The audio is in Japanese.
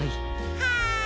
はい。